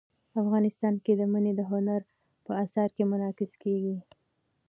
افغانستان کې منی د هنر په اثار کې منعکس کېږي.